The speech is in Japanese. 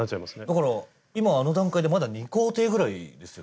だから今あの段階でまだ２工程ぐらいですよね。